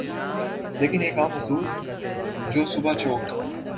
لیکن ایک عام مزدور جو صبح چوک